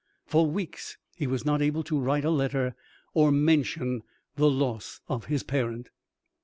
For weeks he was not able to write a letter, or mention the loss of his parent.